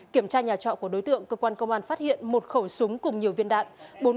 kiểm tra nhà trọ của đối tượng cơ quan công an phát hiện một khẩu súng cùng nhiều viên đạn